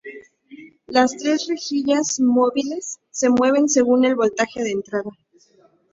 Las tres rejillas móviles se mueven según el voltaje de entrada.